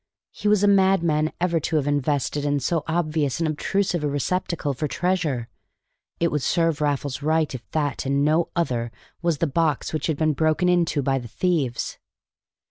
He was a madman ever to have invested in so obvious and obtrusive a receptacle for treasure. It would serve Raffles right if that and no other was the box which had been broken into by the thieves.